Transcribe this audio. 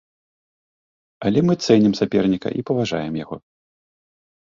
Але мы цэнім саперніка і паважаем яго.